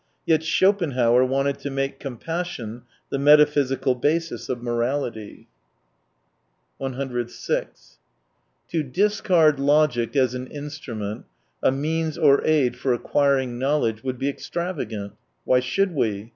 Yet Schopenhauer wanted to make compassion the metaphysical basis of morality. "5 io6 To discard logic as an instrument, a means or aid for acquiring knowledge, would be extravagant. Why should we